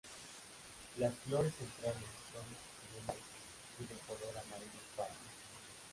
Las flores centrales son tubulares y de color amarillo pálido.